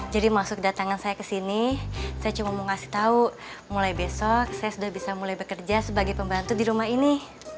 jadi maksud kedatangan saya kesini saya cuma mau kasih tahu mulai besok saya sudah bisa mulai bekerja sebagai pembantu di rumah ini